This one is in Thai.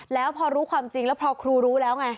แล้วพอรู้ความจริงแล้วพอครูรู้แล้วไง